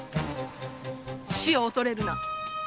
死を恐れるな。